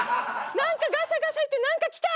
何かガサガサ言ってる何か来た。